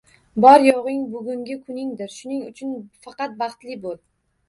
Bor-yo‘g‘ing, bugungi kuningdir, shuning uchun faqat baxtli bo‘l.